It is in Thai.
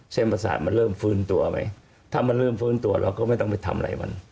ประสาทมันเริ่มฟื้นตัวไหมถ้ามันเริ่มฟื้นตัวเราก็ไม่ต้องไปทำอะไรมัน